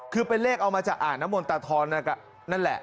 คือเป็นเลขเอามาจากอ่างน้ำมนตาทรนั่นแหละ